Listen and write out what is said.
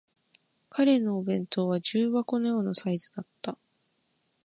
彼のお弁当は重箱のようなサイズだった